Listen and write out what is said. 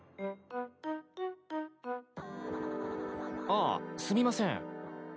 ああすみません。